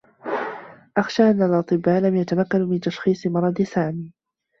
أخشى أنّ الأطبّاء لم يتمكّنوا من تشخيص مرض سامي.